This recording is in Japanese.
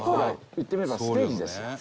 言ってみればステージですよ。